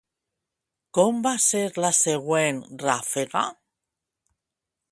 Com va ser la següent ràfega?